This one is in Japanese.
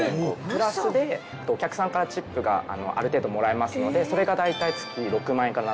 プラスでお客さんからチップがある程度もらえますのでそれが大体月６万円か７万円くらい。